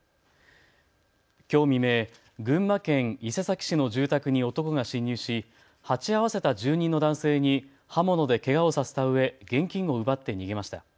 きょう未明、群馬県伊勢崎市の住宅に男が侵入し鉢合わせた住人の男性に刃物でけがをさせたうえ現金を奪って逃げました。